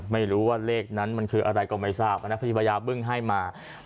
ไม่รู้ว่าเลขนั้นมันคืออะไรก็ไม่ทราบนะพญาบึ้งให้มา